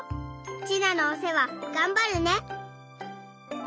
ちなのおせわがんばるね。